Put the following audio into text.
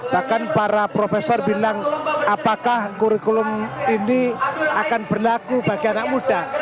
bahkan para profesor bilang apakah kurikulum ini akan berlaku bagi anak muda